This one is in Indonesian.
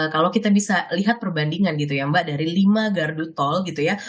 kalau kita bisa lihat perbandingan gitu ya mbak dari lima gardu tol gitu ya